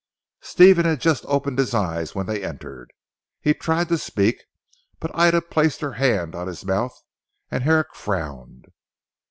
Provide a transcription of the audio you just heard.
Stephen had just opened his eyes when they entered. He tried to speak, but Ida placed her hand on his mouth and Herrick frowned.